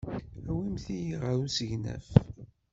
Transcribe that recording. Awimt-iyi ɣer usegnaf.